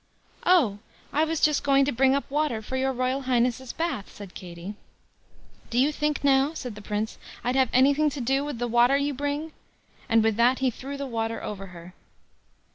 "Oh! I was just going to bring up water for your Royal Highness's bath", said Katie. "Do you think now", said the Prince, "I'd have anything to do with the water you bring?" and with that he threw the water over her.